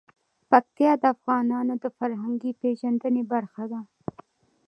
پکتیکا د افغانانو د فرهنګي پیژندنې برخه ده.